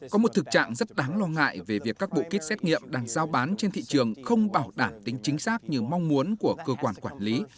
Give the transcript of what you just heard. có một thực trạng rất đáng lo ngại về việc các bộ kit xét nghiệm đang giao bán trên thị trường không bảo đảm tính chính xác như mong muốn của cơ quan quản lý